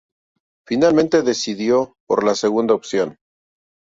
Finalmente decidió por la segunda opción.